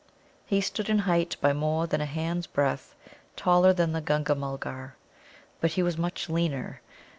He stood in height by more than a hand's breadth taller than the Gunga mulgar. But he was much leaner.